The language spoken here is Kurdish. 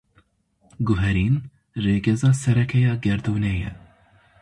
Guherîn, rêgeza sereke ya gerdûnê ye.